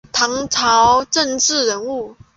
唐朝政治人物。